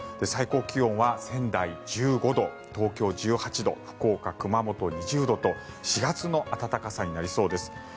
最高気温は仙台、１５度東京、１８度福岡、熊本２０度と４月の暖かさになりそうです。